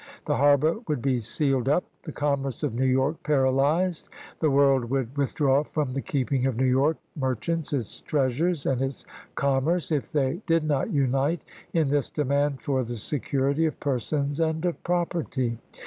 The harbor would be sealed up, the commerce of New York paralyzed, the world would withdraw from the keeping of New York merchants its treasures and its commerce if they ph^Json, did not unite in this demand for the security of "5%°*^ persons and of property.